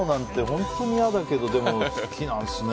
本当に嫌だけどでも好きなんですね。